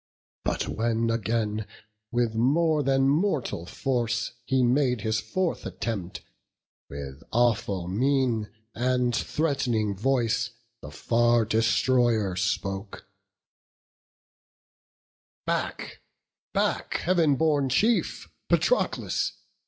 But when again, with more than mortal force He made his fourth attempt, with awful mien And threat'ning voice the Far destroyer spoke: "Back, Heav'n born chief, Patroclus!